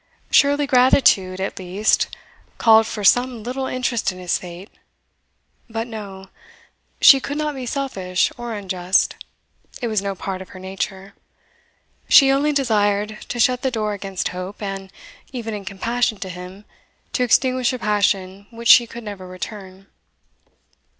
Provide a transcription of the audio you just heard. Surely gratitude, at least, called for some little interest in his fate But no she could not be selfish or unjust it was no part of her nature. She only desired to shut the door against hope, and, even in compassion to him, to extinguish a passion which she could never return.